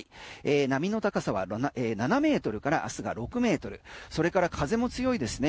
波の高さは７ｍから明日が６ｍそれから風も強いですね。